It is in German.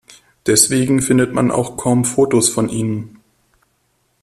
Deswegen findet man auch kaum Fotos von ihnen.